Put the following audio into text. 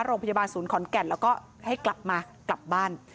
โรงพยาบาลศูนย์ขอนแก่นแล้วก็ให้กลับมากลับบ้าน